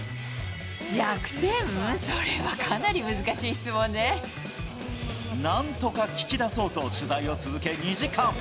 それはかなり難しい質なんとか聞き出そうと、取材を続け２時間。